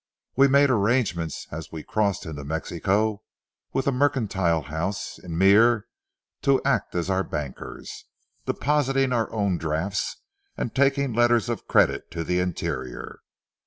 We made arrangements as we crossed into Mexico with a mercantile house in Mier to act as our bankers, depositing our own drafts and taking letters of credit to the interior.